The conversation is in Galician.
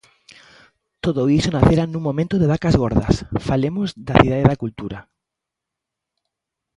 Todo iso nacera nun momento de vacas gordas Falemos da Cidade da Cultura.